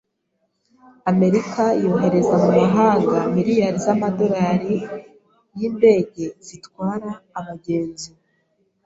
Amerika yohereza mu mahanga miliyari z'amadolari y'indege zitwara abagenzi.